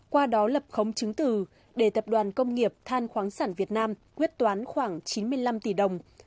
qua đó lập khống chứng từ để tập đoàn công nghiệp than khoáng sản việt nam quyết toán khoảng chín mươi năm tỷ đồng